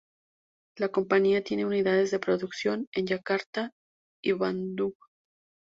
La compañía tiene unidades de producción en Yakarta y Bandung.